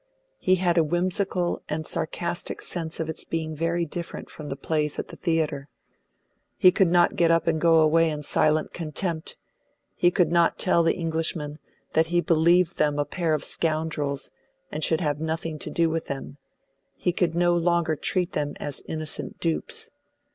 He had a whimsical and sarcastic sense of its being very different from the plays at the theatre. He could not get up and go away in silent contempt; he could not tell the Englishmen that he believed them a pair of scoundrels and should have nothing to do with them; he could no longer treat them as innocent dupes.